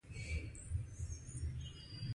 بزګر ته فصل د زړۀ میوه ده